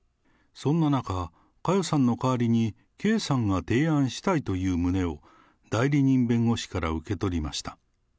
そんな中、佳代さんの代わりに圭さんが提案したいという旨を、代理人弁護士から受け取りました。